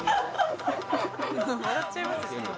笑っちゃいますよね。